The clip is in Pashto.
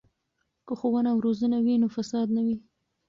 که ښوونه او روزنه وي نو فساد نه وي.